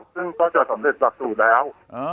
ซึ่งก็จะสำเร็จหลักสูตรแล้ว